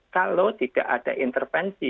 kalau tidak ada intervensi